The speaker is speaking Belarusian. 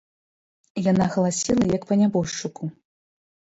Яна галасіла, як па нябожчыку.